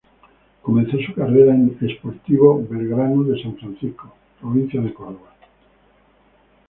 Comenzó su carrera en Sportivo Belgrano de San Francisco, Provincia de Córdoba.